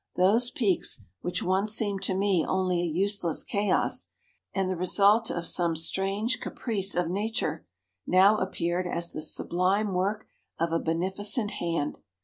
Those peaks, which once seemed to me only a useless chaos, and the result of some strange caprice of Nature, now appeared as the sublime work of a beneficent Hand.